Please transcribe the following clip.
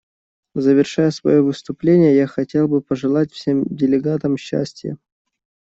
Завершая свое выступление, я хотел бы пожелать всем делегатам счастья.